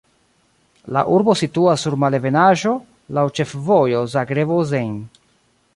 La urbo situas sur malebenaĵo, laŭ ĉefvojo Zagrebo-Senj.